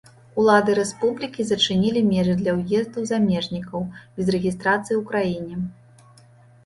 Улады рэспублікі зачынілі межы для ўезду замежнікаў, без рэгістрацыі ў краіне.